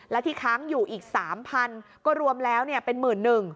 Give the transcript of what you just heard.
และที่ค้างอยู่อีก๓๐๐๐ก็รวมแล้วเป็น๑๑๐๐